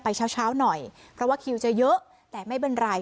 เช้าเช้าหน่อยเพราะว่าคิวจะเยอะแต่ไม่เป็นไร